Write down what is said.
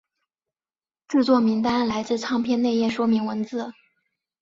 制作名单来自唱片内页说明文字。